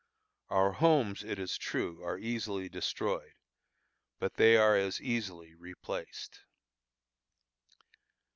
Our homes, it is true, are easily destroyed, but they are as easily replaced.